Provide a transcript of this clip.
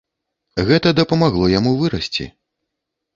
Гэта дапамагло яму вырасці.